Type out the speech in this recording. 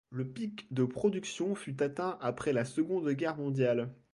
Le pic de production fut atteint après la Seconde Guerre mondiale.